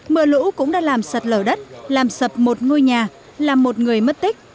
mưa lũ cũng đã làm sạt lở đất làm sập một ngôi nhà làm một người mất tích